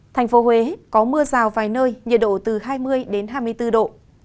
thành phố huế có mưa rào vài nơi nhiệt độ từ hai mươi hai mươi bốn độ